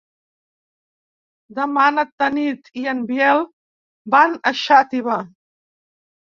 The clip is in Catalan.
Demà na Tanit i en Biel van a Xàtiva.